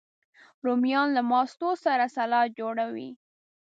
رومیان له ماستو سره سالاد جوړوي